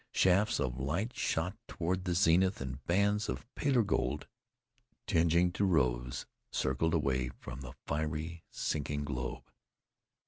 Shafts of light shot toward the zenith, and bands of paler gold, tinging to rose, circled away from the fiery, sinking globe.